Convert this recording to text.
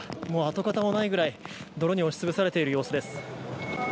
跡形もないぐらい泥に押し潰されている様子です。